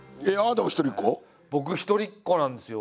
僕一人っ子なんですよ。